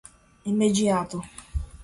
imediato